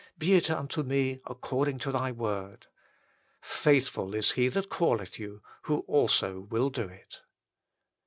Be it unto me according to Thy word* " Faithful is He that calleth you, WHO ALSO WILL DO IT."